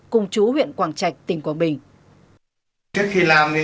cùng chú huyện quảng trạch tỉnh quảng bình